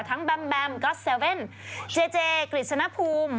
ทั้งแบมแบมก็เซเว่นเจเจกริษณภูมิ